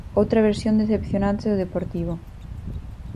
Outra versión decepcionante do Deportivo.